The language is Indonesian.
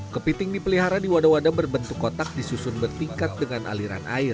kepiting dipelihara di wadah wadah berbentuk kotak disusun bertingkat dengan aliran air